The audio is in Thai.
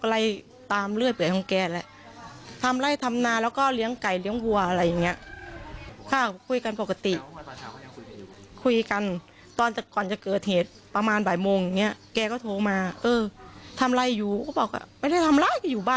แล้วก็วางไปจ้ะ